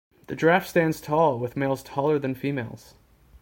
The giraffe stands tall, with males taller than females.